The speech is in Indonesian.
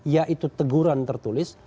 yaitu teguran tertulis